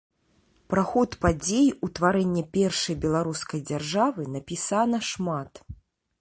Пра ход падзей утварэння першай беларускай дзяржавы напісана шмат.